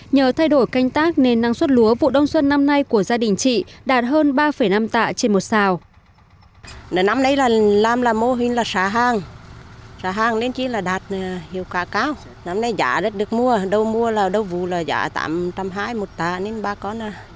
nhờ thay đổi canh tác nên năng suất lúa vụ đông xuân năm nay của gia đình chị đạt hơn ba năm tạ trên một xào